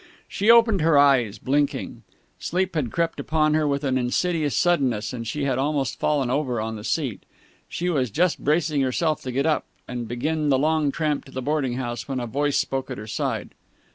She opened her eyes, blinking. Sleep had crept upon her with an insidious suddenness, and she had almost fallen over on the seat. She was just bracing herself to get up and begin the long tramp to the boarding house, when a voice spoke at her side.